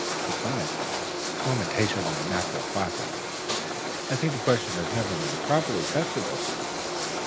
Besides, fermentation is a natural process. I think the question has never been properly tested before.'